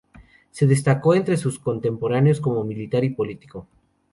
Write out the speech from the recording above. Se destacó entre sus contemporáneos como militar y político.